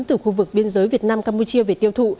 từ khu vực biên giới việt nam campuchia về tiêu thụ